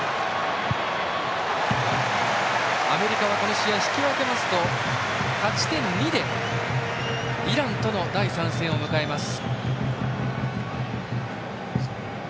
アメリカは、この試合引き分けますと勝ち点２でイランとの第３戦を迎えます。